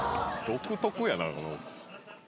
⁉独特やな。